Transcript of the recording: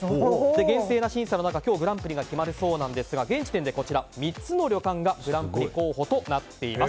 厳正な審査の中、今日グランプリが決まるそうですが現時点で、３つの旅館がグランプリ候補となっています。